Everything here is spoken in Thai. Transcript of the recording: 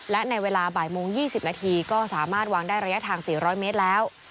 และในเวลาบ่ายโมง๒๐นาทีก็สามารถวางได้ระยะทาง๔๐๐เมตรแล้ว